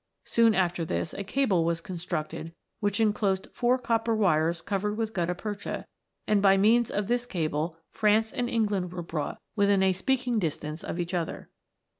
Soon after this a cable was constructed, which enclosed four copper wires covered with gutta percha ; and by means of this cable France and England were brought within a speaking distance of each other.